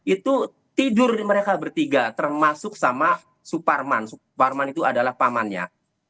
itu tidur mereka bertiga termasuk sama suparman suparman itu adalah pamannya